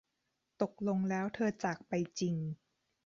ตกลงแล้วเธอจากไปจริง